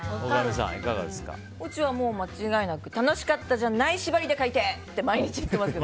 うちは間違いなく楽しかったじゃない縛りで書いてって毎日言ってますね。